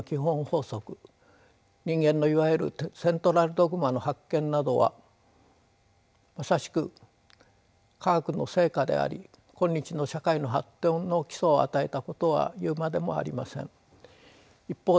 法則人間のいわゆるセントラルドグマの発見などはまさしく科学の成果であり今日の社会の発展の基礎を与えたことは言うまでもありません。